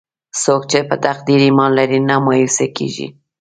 څوک چې په تقدیر ایمان لري، نه مایوسه کېږي.